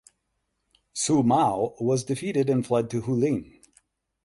Su Mao was defeated and fled to Huling.